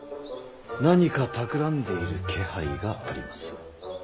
何かたくらんでいる気配があります。